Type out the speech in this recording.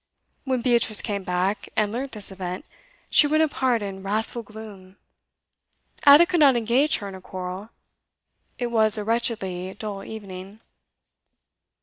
When Beatrice came back, and learnt this event, she went apart in wrathful gloom. Ada could not engage her in a quarrel. It was a wretchedly dull evening.